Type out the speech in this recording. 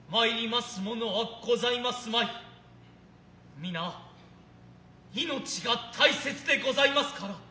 皆生命が大切でございますから。